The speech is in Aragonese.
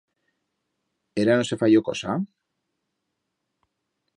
Era no se fayió cosa?